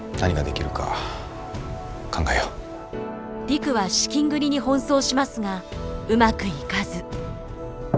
陸は資金繰りに奔走しますがうまくいかず。